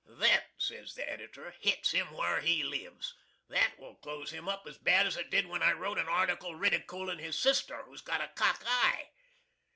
"That," says the Editor, "hits him whar he lives. That will close him up as bad as it did when I wrote an article ridicooling his sister, who's got a cock eye."